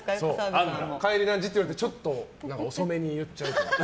帰り何時？って言われてちょっと遅めに言っちゃう。